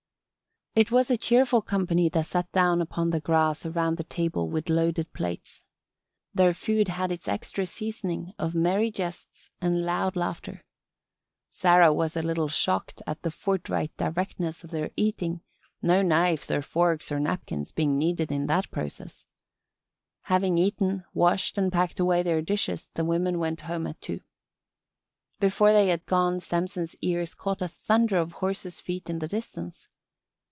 It was a cheerful company that sat down upon the grass around the table with loaded plates. Their food had its extra seasoning of merry jests and loud laughter. Sarah was a little shocked at the forthright directness of their eating, no knives or forks or napkins being needed in that process. Having eaten, washed and packed away their dishes the women went home at two. Before they had gone Samson's ears caught a thunder of horses' feet in the distance.